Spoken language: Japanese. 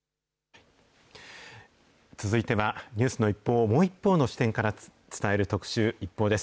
続いては、ニュースの一報をもう一方の視点から伝える特集、ＩＰＰＯＵです。